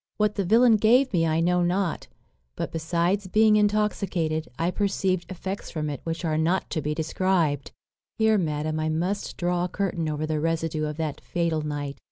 What the villain gave me I know not; but, besides being intoxicated, I perceived effects from it which are not to be described. "Here, madam, I must draw a curtain over the residue of that fatal night.